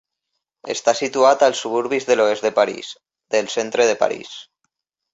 Està situat als suburbis de l'oest de París, del centre de París.